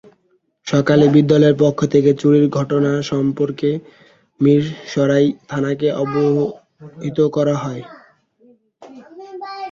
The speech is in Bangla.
সকালে বিদ্যালয়ের পক্ষ থেকে চুরির ঘটনা সম্পর্কে মিরসরাই থানাকে অবহিত করা হয়।